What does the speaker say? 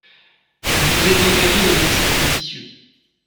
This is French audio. Vous vous êtes engagé dans un cercle vicieux